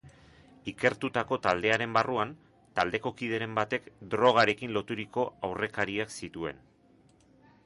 Ikertutako taldearen barruan, taldeko kideren batek drogarekin loturiko aurrekariak zituen.